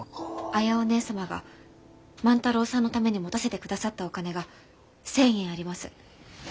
綾お義姉様が万太郎さんのために持たせてくださったお金が１，０００円あります。